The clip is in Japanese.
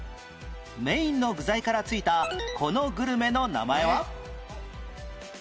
メインの具材から付いたこのグルメの名前は？